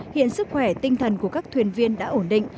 hiện sức khỏe tinh thần của các thuyền viên đã ổn định